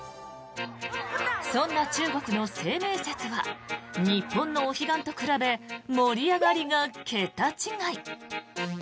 そんな中国の清明節は日本のお彼岸と比べ盛り上がりが桁違い。